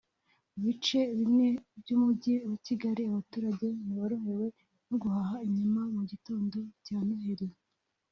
Mu bice bimwe by’umujyi wa Kigali abaturage ntiborohewe no guhaha inyama mu gitondo cya Noheli